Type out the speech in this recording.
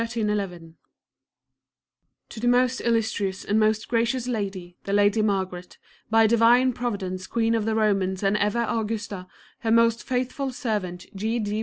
3 Translation To the most illustrious and most gracious Lady, the Lady Margaret, oy Divine Providence Queen ofthe Bomans and ever Augusta, her most faithful servant, G.